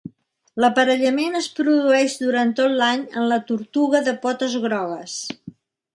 L'aparellament es produeix durant tot l'any en la tortuga de potes grogues.